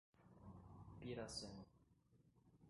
Piracema